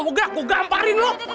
gua gerak gua gamparin lu